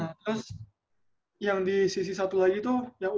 nah terus yang di sisi satu lagi tuh yang u delapan belas u enam belas